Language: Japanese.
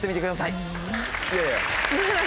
いやいや。